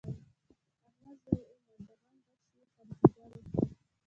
د احمد زوی ومړ؛ د غم غشی يې پر ځيګر وخوړ.